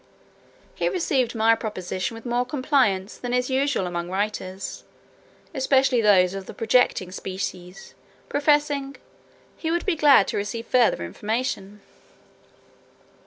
He received my proposition with more compliance than is usual among writers, especially those of the projecting species, professing "he would be glad to receive further information."